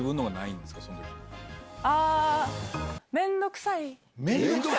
あー、めんどくさい。